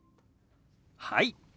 はい。